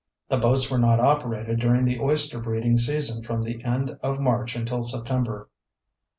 The boats were not operated during the oyster breeding season from the end of March until September.